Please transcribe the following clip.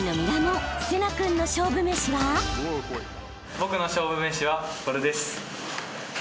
僕の勝負めしはこれです。